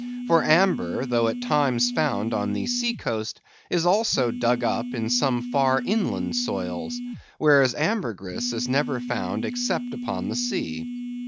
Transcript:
For amber, though at times found on the sea coast, is also dug up in some far inland soils, whereas ambergris is never found except upon the sea.